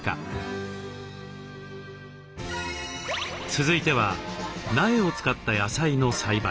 続いては苗を使った野菜の栽培。